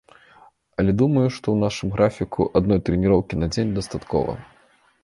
Але думаю, што ў нашым графіку адной трэніроўкі на дзень дастаткова.